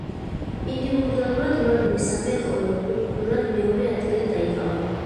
ინდივიდუალურად მან მესამე, ხოლო გუნდურად მეორე ადგილი დაიკავა.